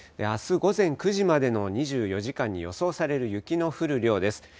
あす午前９時までの２４時間に予想される雪の降る量です。